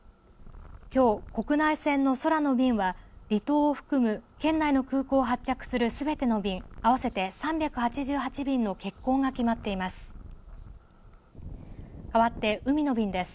きょう、国内線の空の便は離島を含む県内の空港を発着するすべての便合わせて３８８便の欠航が決まっています。